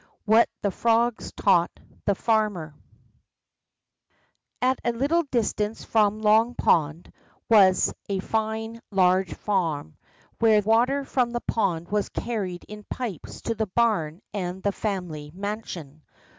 WHAT THE FROGS TAUGHT THE FARMER T a little distance from Long Pond, was a fine large farm where water from the pond was carried in pipes to the barn and the family mansion.